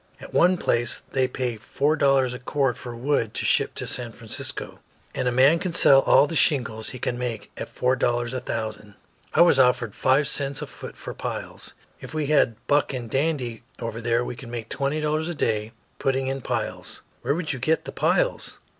At one place they paid four dollars a cord for wood to ship to San Francisco, and a man can sell all the shingles he can make at four dollars a thousand. I was offered five cents a foot for piles. If we had Buck and Dandy over there we could make twenty dollars a day putting in piles." "Where could you get the piles?"